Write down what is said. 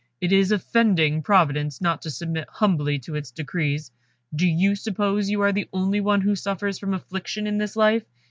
It is offending Providence not to submit humbly to its decrees. Do you suppose you are the only one who suffers from affliction in this life?